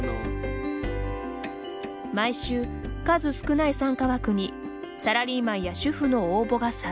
毎週、数少ない参加枠にサラリーマンや主婦の応募が殺到。